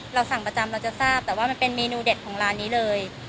สั่งประจำเราจะทราบแต่ว่ามันเป็นเมนูเด็ดของร้านนี้เลย